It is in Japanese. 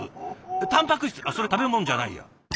たんぱく質あっそれ食べ物じゃないや。